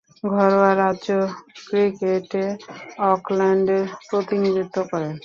ঘরোয়া রাজ্য ক্রিকেটে অকল্যান্ডের প্রতিনিধিত্ব করেন।